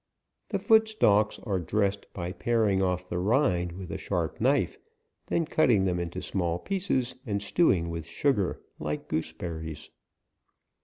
The foot stalks are dressed by paring off the rind with a sharp knife, then cutting them into small pieces, and stewing with sugar, like goose berries.